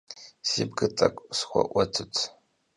Si ş'ıbır t'ek'u sxue'uetıt.